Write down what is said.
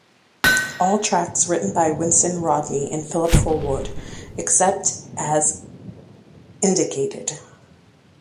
All tracks written by Winston Rodney and Phillip Fullwood except as indicated.